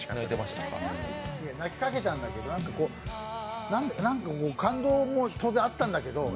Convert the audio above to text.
泣きかけたんだけど、感動当然あったんだけどね